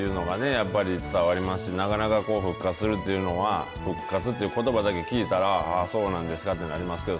やっぱり伝わりますしなかなか復活するというのは復活ということばだけ聞いたらそうなんですかってなりますけど。